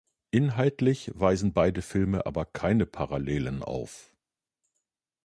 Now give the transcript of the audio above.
Inhaltlich weisen beide Filme aber keine Parallelen auf.